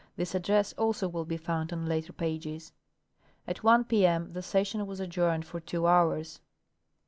This address also Avill be found on later pages. At 1 p m the session Avas adjourned ft>r tAvo hours.